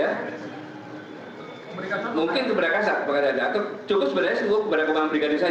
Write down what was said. ya mungkin kepada kasat atau cukup sebenarnya kepadaku kapan berikanis saja